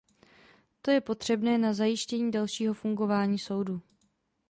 To je potřebné na zajištění dalšího fungování soudu.